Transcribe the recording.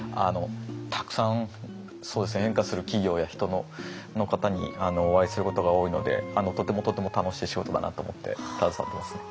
たくさん変化する企業や人のの方にお会いすることが多いのでとてもとても楽しい仕事だなと思って携わってますね。